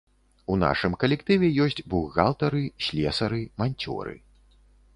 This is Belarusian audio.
У нашым калектыве ёсць бухгалтары, слесары, манцёры.